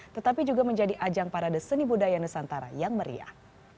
tetapi juga menjadi ajang parade seni budaya nusantara yang meriah